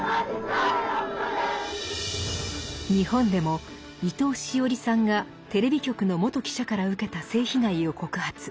日本でも伊藤詩織さんがテレビ局の元記者から受けた性被害を告発。